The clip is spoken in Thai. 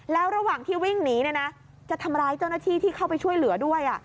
แล้วระหว่างที่วิ่งหนีจะทำร้ายเจ้าหน้าที่ที่เข้าไปช่วยเหลือด้วย